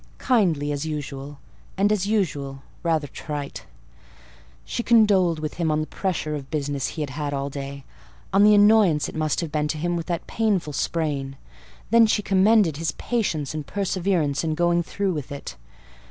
Kindly, as usual—and, as usual, rather trite—she condoled with him on the pressure of business he had had all day; on the annoyance it must have been to him with that painful sprain: then she commended his patience and perseverance in going through with it.